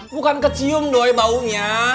bukan kecium doi baunya